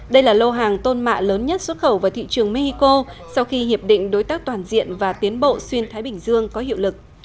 đây là lô hàng tôn mạ lớn nhất xuất khẩu vào thị trường mexico sau khi hiệp định đối tác toàn diện và tiến bộ xuyên thái bình dương có hiệu lực